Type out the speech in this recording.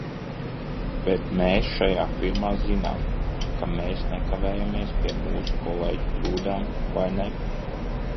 Bet mēs šajā firmā zinām, ka mēs nekavējamies pie mūsu kolēģu kļūdām, vai ne?